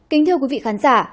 kính thưa quý vị khán giả